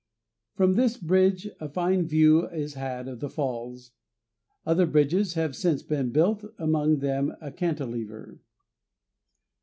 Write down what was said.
From this bridge a fine view is had of the falls. Other bridges have since been built, among them a cantilever.